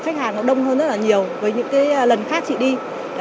khách hàng nó đông hơn rất là nhiều với những cái lần khác chị đi